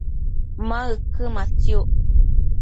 ma uquëmatsiuc?